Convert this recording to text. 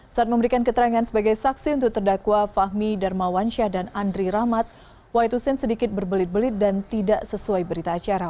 saat memberikan keterangan sebagai saksi untuk terdakwa fahmi darmawansyah dan andri rahmat wai tusin sedikit berbelit belit dan tidak sesuai berita acara